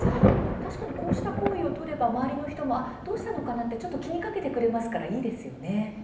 確かにこうした行為を取れば周りの人も「どうしたのかな？」ってちょっと気にかけてくれますからいいですよね。